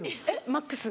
マックス。